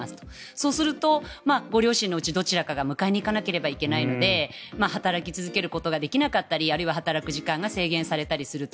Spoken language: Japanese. そうするとご両親のうちどちらかが迎えに行かなければいかないので働くことができなかったり時間が制限されると。